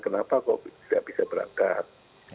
kenapa kok tidak bisa berangkat